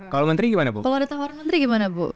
kalau menteri gimana bu